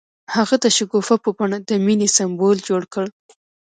هغه د شګوفه په بڼه د مینې سمبول جوړ کړ.